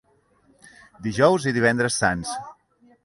Dijous i divendres sants.